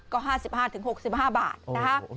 ก็๕๕๖๕บาทนะคะ